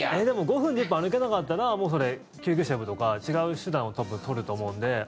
でも５分、１０分歩けなかったらもうそれ、救急車呼ぶとか違う手段を多分取ると思うんで。